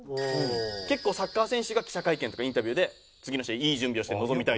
結構サッカー選手が記者会見とかインタビューで「次の試合良い準備をして臨みたいと思います」みたいな。